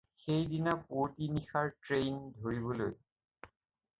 সেইদিনা পুৱতিনিশাৰ ট্ৰেইন ধৰিবলৈ।